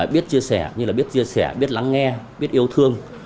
biết chia sẻ như là biết chia sẻ biết lắng nghe biết yêu thương